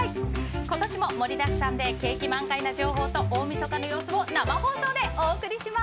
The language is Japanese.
今年も盛りだくさんで景気満開な情報と大みそかの様子を生放送でお送りします。